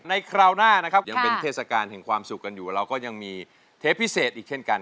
คราวหน้านะครับยังเป็นเทศกาลแห่งความสุขกันอยู่เราก็ยังมีเทปพิเศษอีกเช่นกัน